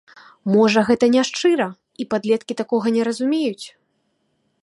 Можа, гэта няшчыра, і падлеткі такога не зразумеюць?